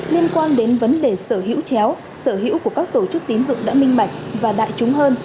liên quan đến vấn đề sở hữu chéo sở hữu của các tổ chức tín dụng đã minh bạch và đại chúng hơn